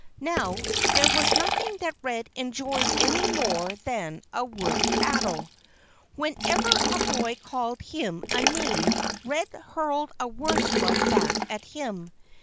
Now, there was nothing that Red enjoyed any more than a wordy battle. Whenever a boy called him a name Red hurled a worse one back at him.